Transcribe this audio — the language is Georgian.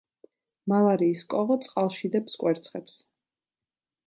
მალარიის კოღო წყალში დებს კვერცხებს.